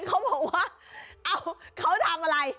เขาบอกว่าเอ้าเขาทำอะไร